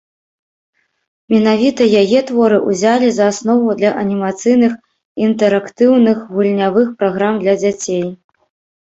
Менавіта яе творы ўзялі за аснову для анімацыйных інтэрактыўных гульнявых праграм для дзяцей.